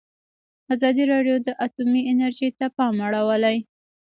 ازادي راډیو د اټومي انرژي ته پام اړولی.